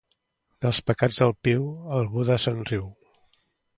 Dels pecats del piu, el Buda se'n riu.